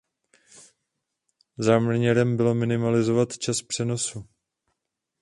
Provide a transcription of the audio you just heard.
Záměrem bylo minimalizovat čas přenosu.